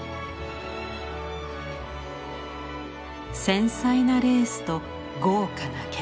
繊細なレースと豪華な毛皮。